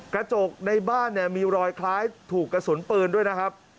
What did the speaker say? กระจกในบ้านเนี่ยมีรอยคล้ายถูกกระสุนปืนด้วยนะครับ